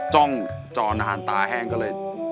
จ้องจอนานตาแห้งก็เลย